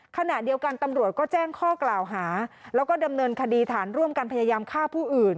ขณะเดียวกันตำรวจก็แจ้งข้อกล่าวหาแล้วก็ดำเนินคดีฐานร่วมกันพยายามฆ่าผู้อื่น